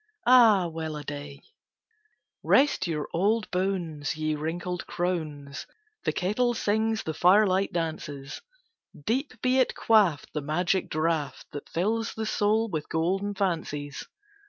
Ah, well a day Rest your old bones, ye wrinkled crones! The kettle sings, the firelight dances. Deep be it quaffed, the magic draught That fills the soul with golden fancies!